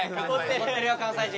怒ってるよ関西人。